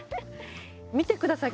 見てください。